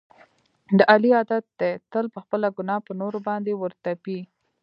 د علي عادت دی تل خپله ګناه په نورو باندې ور تپي.